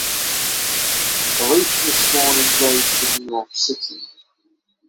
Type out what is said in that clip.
Kalich was born and raised in New York City.